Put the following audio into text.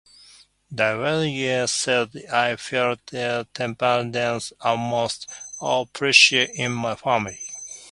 Dwyer said I felt a tremendous amount of pressure in my family.